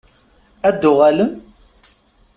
Ad d-tuɣalem?